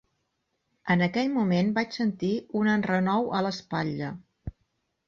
En aquell moment vaig sentir un enrenou a l'espatlla.